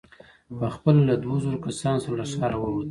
په خپله له دوو زرو کسانو سره له ښاره ووت.